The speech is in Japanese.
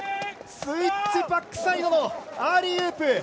スイッチバックサイドのアーリーウープ。